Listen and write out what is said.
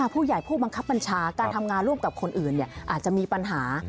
ผู้บังคับบัญชาการทำงานร่วมกับคนอื่นอาจจะมีปัญหา